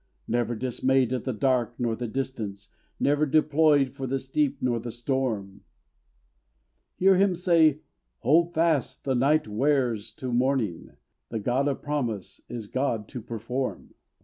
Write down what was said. Never dismayed at the dark nor the distance! Never deployed for the steep nor the storm! Hear him say, "Hold fast, the night wears to morning! This God of promise is God to perform."